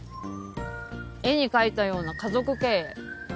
絵に描いたような家族経営。